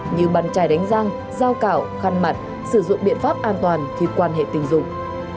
như bàn chài đánh răng dao cảo khăn mặt sử dụng biện pháp an toàn khi quan hệ tình dụng